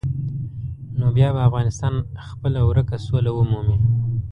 نو بیا به افغانستان خپله ورکه سوله ومومي.